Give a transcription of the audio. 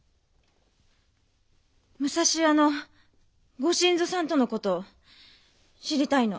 武蔵屋のご新造さんとの事を知りたいの。